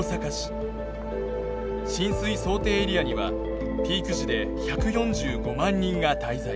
浸水想定エリアにはピーク時で１４５万人が滞在。